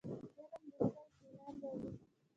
علم د زړه اطمينان راوړي.